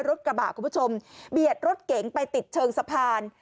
คุณผู้ชมเบียดรถเก๋งไปติดเชิงสะพาน